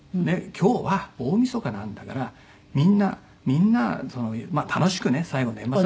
「今日は大みそかなんだからみんなみんな楽しくね最後年末」。